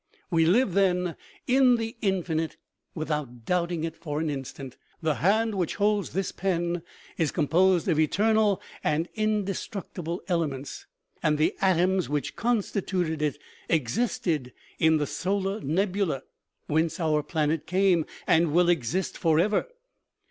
We live, then, in the infinite, without doubting it for an instant. The hand which holds this pen is com posed of eternal and indestructible elements, and the atoms which constituted it existed in the solar nebula whence our planet came, and will exist forever.